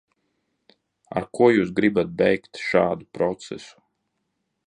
Ar ko jūs gribat beigt šādu procesu?